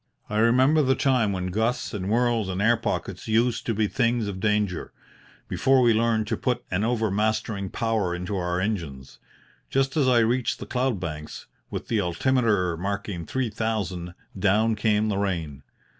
I remember the time when gusts and whirls and air pockets used to be things of danger before we learned to put an overmastering power into our engines. Just as I reached the cloud banks, with the altimeter marking three thousand, down came the rain.